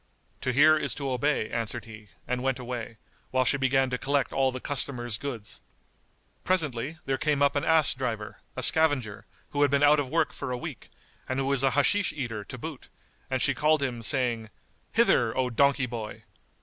"To hear is to obey," answered he and went away, while she began to collect all the customers' goods. Presently, there came up an ass driver, a scavenger, who had been out of work for a week and who was an Hashish eater to boot; and she called him, saying, "Hither, O donkey boy!"